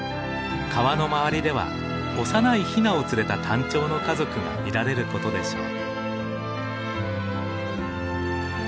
川の周りでは幼いヒナを連れたタンチョウの家族が見られることでしょう。